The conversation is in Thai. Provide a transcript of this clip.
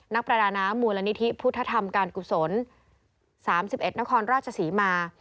ประดาน้ำมูลนิธิพุทธธรรมการกุศล๓๑นครราชศรีมา